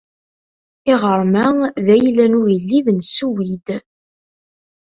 Iɣrem-a d ayla n ugellid n Sswid.